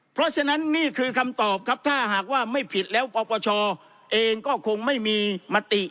เพราะฉะนั้นนี่คือคำตอบครับถ้าหากว่าไม่ผิดแล้วปปชเองก็คงไม่มีมติ